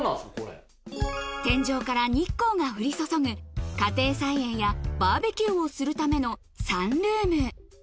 天井から日光が降り注ぐ家庭菜園やバーベキューをするためのサンルーム